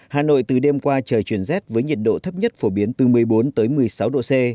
hà nội từ đêm qua trời chuyển rét với nhiệt độ thấp nhất phổ biến từ một mươi bốn một mươi sáu độ c